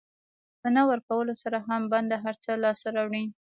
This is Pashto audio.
په نه ورکولو سره هم بنده هر څه لاسته راوړي.